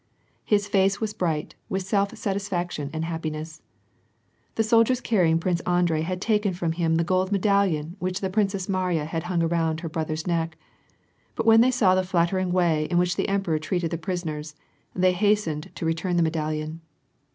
His face was bright with self satisfaction and happiness. The soldiers carrying Prince Andrei had taken from him the golden medallion which the Princess Mariya had hung around her brother's neck, but when they saw the flattering way in which the emperor treated the prisoners, they hastened to return the medallion.